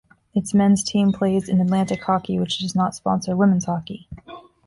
Its men's team plays in Atlantic Hockey, which does not sponsor women's hockey.